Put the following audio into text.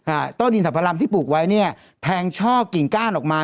ต้นอินสรรพรรมที่ปลูกไว้เนี้ยแทงช่อกิ่งก้านออกมา